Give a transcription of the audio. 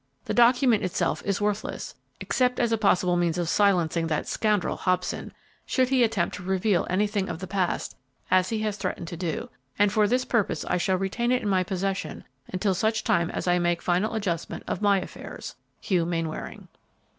The document itself is worthless, except as a possible means of silencing that scoundrel, Hobson, should he attempt to reveal anything of the past, as he has threatened to do, and for this purpose I shall retain it in my possession until such time as I make final adjustment of my affairs. "HUGH MAINWARING."